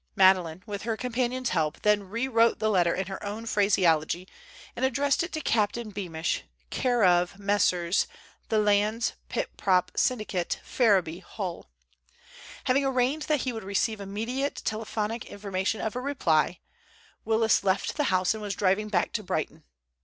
Madeleine with her companion's help then rewrote the letter in her own phraseology, and addressed it to Captain Beamish, c/o Messrs. The Landes Pit Prop Syndicate, Ferriby, Hull. Having arranged that he would receive immediate telephonic information of a reply, Willis left the house and was driven back to Brighton.